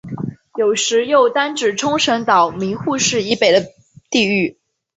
有时又单指冲绳岛名护市以北的地域。